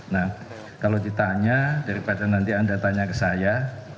nah kalau ditanya daripada nanti anda tanya ke saya